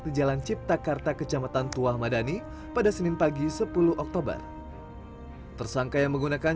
di jalan cipta karta kecamatan tuah madani pada senin pagi sepuluh oktober tersangka yang menggunakan